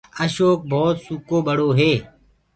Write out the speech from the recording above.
اشوڪ ڀوت سُڪو ٻڙو هي۔